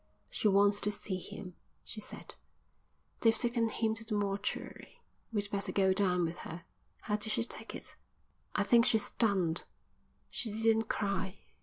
"She wants to see him," she said. "They've taken him to the mortuary. We'd better go down with her. How did she take it?" "I think she's stunned. She didn't cry.